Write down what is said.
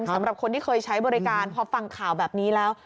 สำหรับคนที่เคยใช้บริการพอฟังข่าวแบบนี้แล้ว